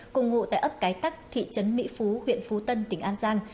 cùng ngụ tại ấp cái tắc thị trấn mỹ phú huyện phú tân tỉnh an giang